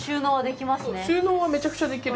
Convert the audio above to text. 収納はめちゃくちゃできる。